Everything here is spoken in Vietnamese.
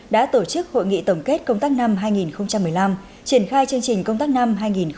đã tổ chức hội nghị tổng kết công tác năm hai nghìn một mươi năm triển khai chương trình công tác năm hai nghìn một mươi chín